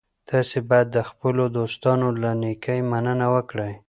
تاسي باید د خپلو دوستانو له نېکۍ مننه وکړئ.